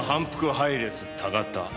配列多型。